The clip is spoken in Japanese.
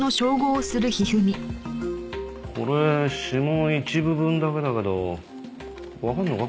これ指紋一部分だけだけどわかるのか？